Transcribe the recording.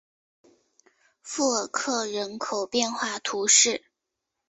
富尔克人口变化图示